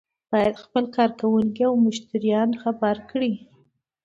باید خپل کارکوونکي او مشتریان خبر کړي.